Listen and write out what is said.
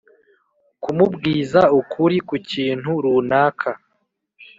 kumubwiza ukuri ku kintu runaka,